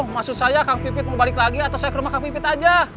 maksud saya kang pipit mau balik lagi atau saya ke rumah kang pipit aja